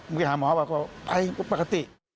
มึงก็หาหมอบอกว่าไปปกติ